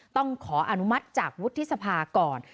ต้องขออนุมัติจากวุฒิสภาก่อน